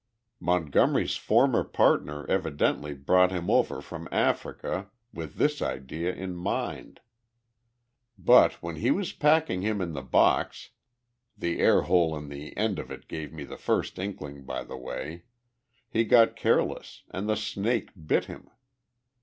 Montgomery's former partner evidently brought him over from Africa with this idea in mind. But when he was packing him in the box the airhole in the end of it gave me the first inkling, by the way he got careless and the snake bit him.